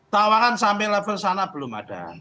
tawaran sampai level sana belum ada